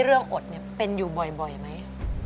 เรื่องอดเป็นอยู่บ่อยไหม